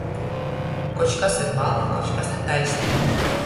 Koč kas ir mali, koč kas ir taisneiba.